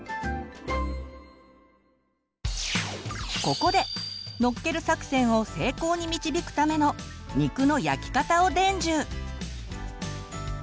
ここでのっける作戦を成功に導くための肉の焼き方を伝授。